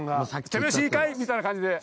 「手拍子いいかい？」みたいな感じで。